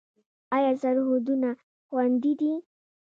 آیا سرحدونه خوندي دي؟